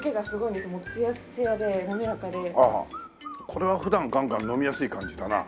これは普段ガンガン飲みやすい感じだな。